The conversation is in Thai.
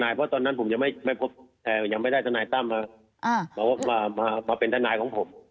เพราะว่าตอนนั้นผมยังไม่ไม่พบแต่ยังไม่ได้ทนายตั้มมาอ่าบอกว่ามามาเป็นทนายของผม